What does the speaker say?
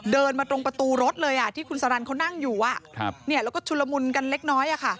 เดินมาตรงประตูรถเลยที่คุณสรรเขานั่งอยู่แล้วก็ชุลมุนกันเล็กน้อย